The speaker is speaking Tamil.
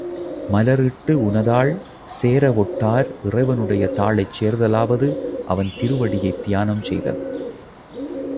மலர்இட்டு உனதாள் சேரவொட்டார் இறைவனுடைய தாளைச் சேர்தலாவது அவன் திருவடியைத் தியானம் செய்தல்.